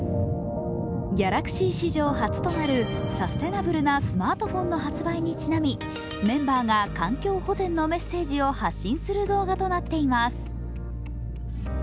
Ｇａｌａｘｙ史上初となるサステナブルなスマートフォンの発売にちなみ、メンバーが環境保全のメッセージを発信する動画となっています。